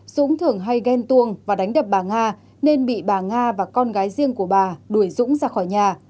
dũng thường hay ghen tuông và đánh đập bà nga nên bị bà nga và con gái riêng của bà đuổi dũng ra khỏi nhà